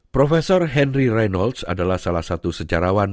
prof henry reynolds adalah salah satu sejarawan